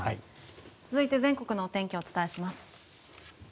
続いて全国のお天気お伝えします。